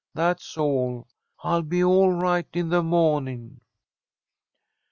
That's all. I'll be all right in the mawning."